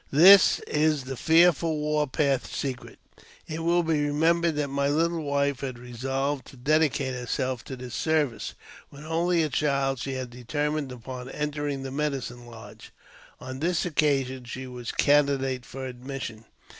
This is the fearful war path secret. It will be remembered that my little wife had resolved to dedicate herself to this service ; when only a child she had determined upon entering the medicine lodge. On this occasion she was candidate for admission.